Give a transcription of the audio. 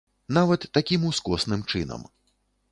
Нават такім ускосным чынам.